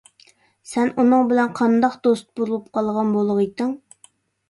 سەن ئۇنىڭ بىلەن قانداق دوست بولۇپ قالغان بولغىيتتىڭ!